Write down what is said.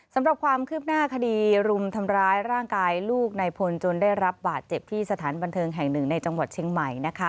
สำหรับความคืบหน้าคดีรุมทำร้ายร่างกายลูกในพลจนได้รับบาดเจ็บที่สถานบันเทิงแห่งหนึ่งในจังหวัดเชียงใหม่นะคะ